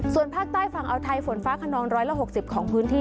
ส่วนภาคใต้ฝั่งอาวไทยฝนฟ้าขนอง๑๖๐ของพื้นที่